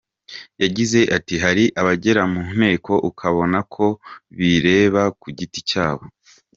Yagize ati “Hari abagera mu Nteko ukabona ko bireba ku giti cyabo.